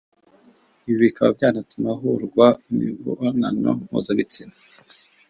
ibi bikaba byanatuma ahurwa imibonano mpuzabitsina